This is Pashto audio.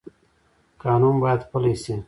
قانون باید پلی شي